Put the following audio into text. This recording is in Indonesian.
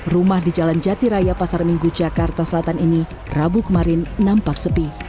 rumah di jalan jati raya pasar minggu jakarta selatan ini rabu kemarin nampak sepi